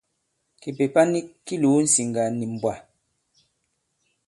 Kìpèpa nik ki lòo ǹsiŋgà nì mbwà.